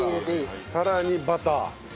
さらにバター。